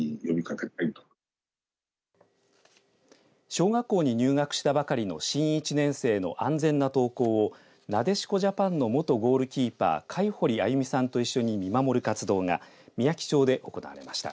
小学校に入学したばかりの新１年生の安全な登校をなでしこジャパンの元ゴールキーパー海堀あゆみさんと一緒に見守る活動がみやき町で行われました。